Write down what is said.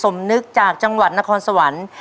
สมนึกจากจังหวัดนครสวรรค์